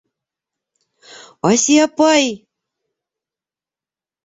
Асия апай?!